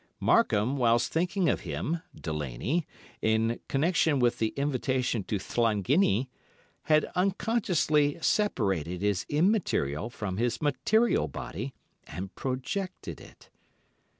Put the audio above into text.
Markham, whilst thinking of him (Delaney) in connection with the invitation to Llanginney, had unconsciously separated his immaterial from his material body and projected it.